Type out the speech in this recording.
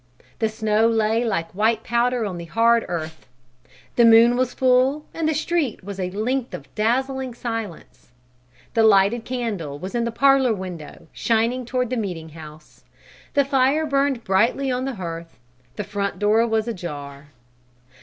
The snow lay like white powder on the hard earth; the moon was full, and the street was a length of dazzling silence. The lighted candle was in the parlor window, shining toward the meeting house, the fire burned brightly on the hearth, the front door was ajar.